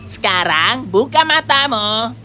sekarang buka matamu